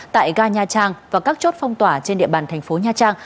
tại ga nha trang và các chốt phong tỏa trên địa bàn thành phố nha trang